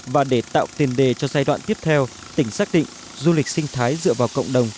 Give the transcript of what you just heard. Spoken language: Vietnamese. và để tạo tiền đề cho giai đoạn tiếp theo tỉnh xác định du lịch sinh thái dựa vào cộng đồng